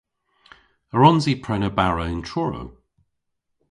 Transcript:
A wrons i prena bara yn Truru?